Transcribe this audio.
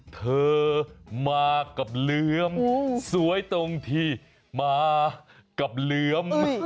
เธอมากับเหลือมสวยตรงที่มากับเหลือม